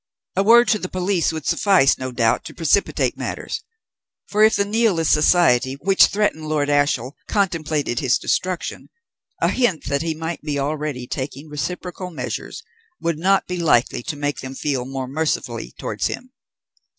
A word to the police would suffice, no doubt, to precipitate matters; for, if the Nihilist Society which threatened Lord Ashiel contemplated his destruction, a hint that he might be already taking reciprocal measures would not be likely to make them feel more mercifully towards him.